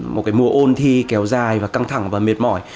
một cái mùa ôn thi kéo dài và căng thẳng và mệt mỏi